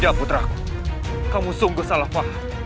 ya putraku kamu sungguh salah paham